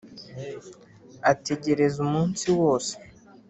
ategereza umunsi wose